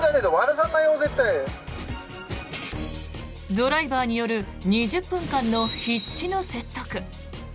ドライバーによる２０分間の必死の説得。